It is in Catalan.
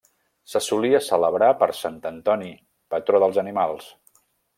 Se solia celebrar per sant Antoni, patró dels animals.